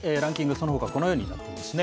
そのほか、このようになっていますね。